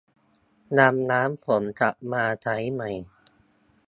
นำน้ำฝนกลับมาใช้ใหม่